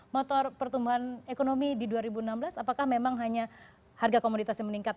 motor pertumbuhan ekonomi di dua ribu enam belas apakah memang hanya harga komoditas yang meningkat